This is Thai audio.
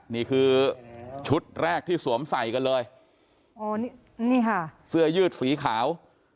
นี่คือชุดแรกที่สวมใส่กันเลยอ๋อนี่นี่ค่ะเสื้อยืดสีขาว